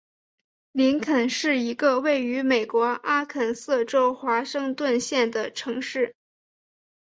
林肯是一个位于美国阿肯色州华盛顿县的城市。